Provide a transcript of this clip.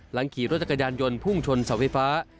ขี่รถจักรยานยนต์พุ่งชนเสาไฟฟ้า